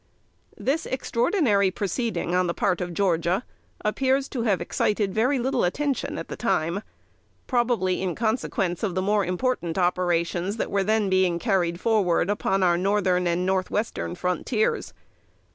This extraordinary proceeding, on the part of Georgia, appears to have excited very little attention at the time; probably in consequence of the more important operations that were then being carried forward, upon our Northern and Northwestern frontiers.